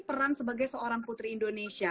peran sebagai seorang putri indonesia